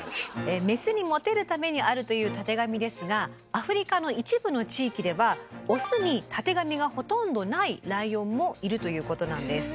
メスにモテるためにあるというたてがみですがアフリカの一部の地域ではオスにたてがみがほとんどないライオンもいるということなんです。